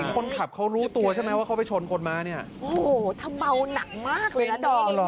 คนขับเขารู้ตัวใช่ไหมว่าเขาไปชนคนมาเนี่ยโอ้โหถ้าเมาหนักมากเลยนะดอมเหรอ